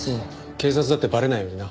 警察だってバレないようにな。